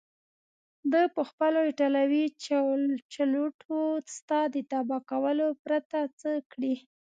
ده پخپلو ایټالوي چلوټو ستا د تباه کولو پرته څه کړي.